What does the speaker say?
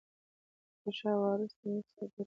د شاه و عروس بند څه ګټه لري؟